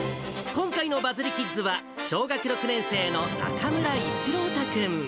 今回のバズりキッズは、小学６年生の中村一朗太君。